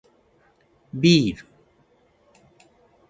ビール